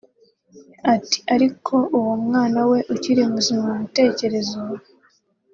Ati “Ariko uwo mwana we ukiri muzima mu bitekerezo